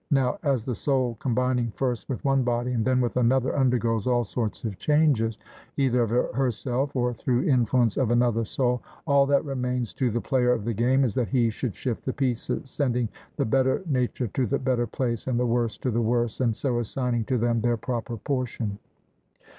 Now, as the soul combining first with one body and then with another undergoes all sorts of changes, either of herself, or through the influence of another soul, all that remains to the player of the game is that he should shift the pieces; sending the better nature to the better place, and the worse to the worse, and so assigning to them their proper portion.